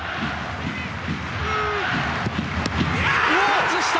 外した！